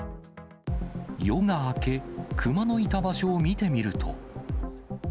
夜が明け、クマのいた場所を見てみると。